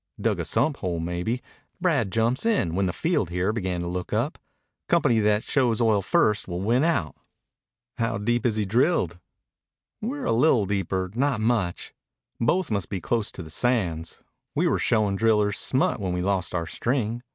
Dug a sump hole, maybe. Brad jumps in when the field here began to look up. Company that shows oil first will sure win out." "How deep has he drilled?" "We're a li'l' deeper not much. Both must be close to the sands. We were showin' driller's smut when we lost our string."